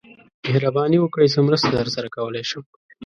مهرباني وکړئ څه مرسته درسره کولای شم